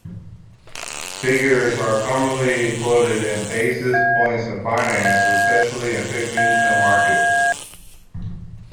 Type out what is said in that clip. Figures are commonly quoted in basis points in finance, especially in fixed income markets.